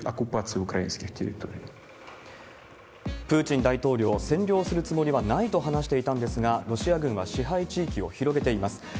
プーチン大統領、占領するつもりはないと話していたんですが、ロシア軍は支配地域を広げています。